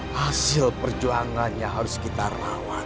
hasil perjuangannya harus kita rawat